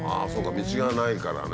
道がないからね。